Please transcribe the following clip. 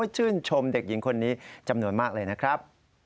ชื่นชมเด็กหญิงคนนี้จำนวนมากเลยนะครับ